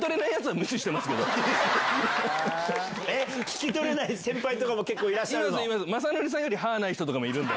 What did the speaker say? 聞き取れない先輩とかもいるの？